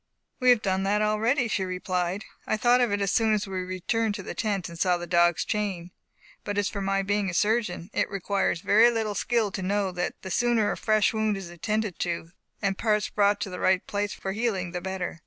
"We have done that already," she replied. "I thought of it as soon as we returned to the tent and saw the dog's chain. But as for my being a surgeon, it requires very little skill to know that the sooner a fresh wound is attended to, and the parts brought to the right place for healing the better."